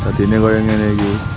saat ini saya berlindung